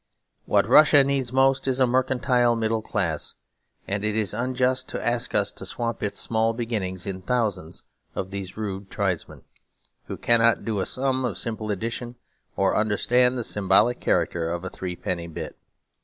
What Russia needs most is a mercantile middle class; and it is unjust to ask us to swamp its small beginnings in thousands of these rude tribesmen, who cannot do a sum of simple addition, or understand the symbolic character of a threepenny bit.